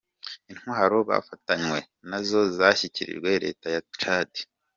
Intwaro bafatanywe, nazo zashyikirijwe leta ya Tchad.